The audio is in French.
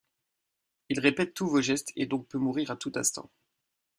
Il répète tous vos gestes et donc peut mourir à tout instant.